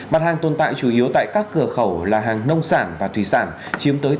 mặt hàng tồn tại chủ yếu tại các cửa khẩu là hàng nông sản và thủy sản chiếm tới tám mươi